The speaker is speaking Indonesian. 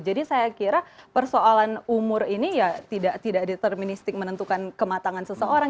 jadi saya kira persoalan umur ini ya tidak deterministik menentukan kematangan seseorang